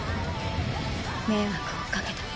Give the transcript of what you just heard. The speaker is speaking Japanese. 迷惑をかけた。